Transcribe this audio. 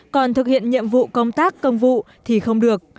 còn thực hiện nhiệm vụ công tác công vụ thì không được